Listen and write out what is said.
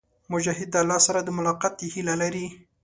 مجاهد د الله سره د ملاقات هيله لري.